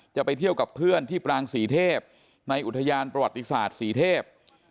จะไปเที่ยวกับเพื่อนที่ปรางศรีเทพในอุทยานประวัติศาสตร์ศรีเทพ